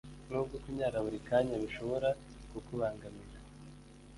nubwo kunyara buri kanya bishobora kukubangamira